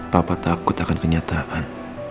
papa takut akan kenyataan